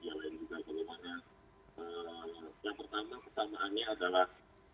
yang pertama pertamaannya adalah